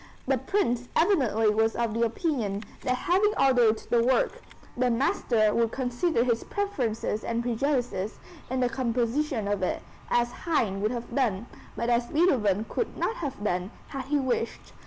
The Prince evidently was of the opinion that having ordered the work, the master would consider his preferences and prejudices in the composition of it, as Haydn would have done, but as Beethoven could not have done, had he wished.